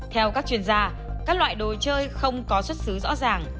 theo các chuyên gia các loại đồ chơi không có xuất xứ rõ ràng